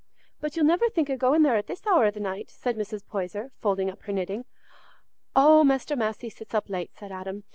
"But you'll niver think o' going there at this hour o' the night?" said Mrs. Poyser, folding up her knitting. "Oh, Mester Massey sits up late," said Adam.